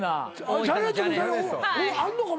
あんのか？